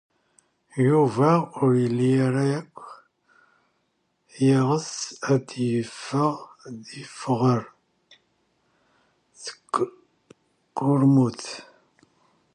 Yuba ur yelli ara akk yeɣs ad yadef ɣer tkurmut.